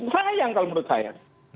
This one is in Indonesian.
sayang kalau menurut saya